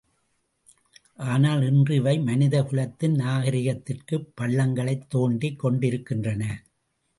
ஆனால் இன்று இவை மனித குலத்தின் நாகரிகத்திற்குப் பள்ளங்களைத் தோண்டிக் கொண்டிருக்கின்றன!